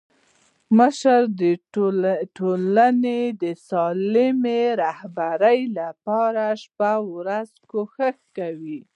مشر د ټولني د سالمي رهبري لپاره شپه او ورځ کوښښ کوي.